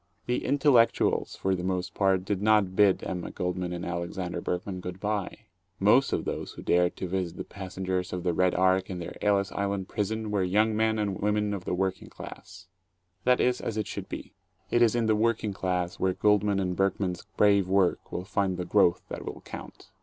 The "intellectuals" for the most part did not bid Emma Goldman and Alexander Berkman good bye. Most of those who dared to visit the passengers of the "Red Ark" in their Ellis Island prison were young men and women of the working class. That is as it should be. It is in the working class where Goldman and Berkman's brave work will find the growth that will count.